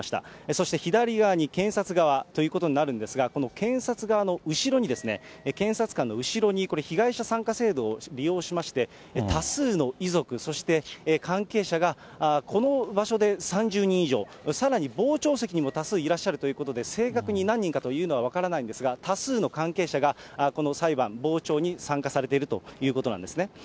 そして左側に検察側ということになるんですが、この検察側の後ろにですね、検察官の後ろに、被害者参加制度を利用しまして、多数の遺族、そして関係者が、この場所で３０人以上、さらに傍聴席にも多数いらっしゃるということで、正確に何人かというのは分からないんですが、多数の関係者がこの裁判、傍聴に参加されているということなんですね。